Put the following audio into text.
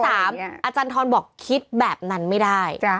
อาจารย์ทรบอกคิดแบบนั้นไม่ได้